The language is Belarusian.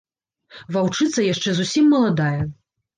Ваўчыца яшчэ зусім маладая.